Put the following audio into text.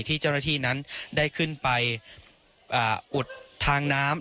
ที่เจ้าหน้าที่นั้นได้ขึ้นไปอุดทางน้ำ